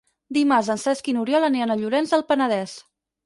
Dimarts en Cesc i n'Oriol aniran a Llorenç del Penedès.